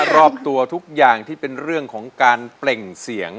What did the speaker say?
รอบตัวทุกอย่างที่เป็นเรื่องของการเปล่งเสียง